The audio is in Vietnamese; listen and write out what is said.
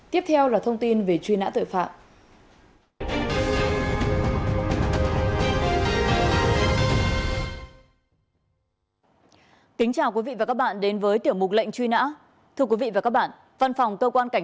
tiếp theo là thông tin về truy nã tội phạm